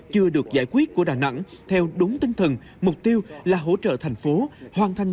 chưa được giải quyết của đà nẵng theo đúng tinh thần mục tiêu là hỗ trợ thành phố hoàn thành